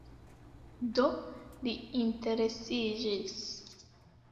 Do, li interesiĝis